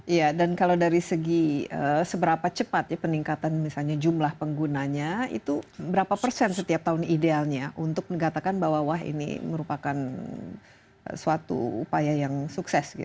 iya dan kalau dari segi seberapa cepat ya peningkatan misalnya jumlah penggunanya itu berapa persen setiap tahun idealnya untuk mengatakan bahwa wah ini merupakan suatu upaya yang sukses